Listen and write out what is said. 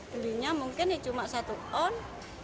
belinya mungkin cuma satu on